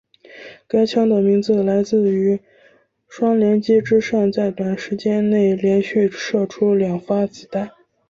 该枪的名字来自于双连击之上在短时间内连续射出两发子弹。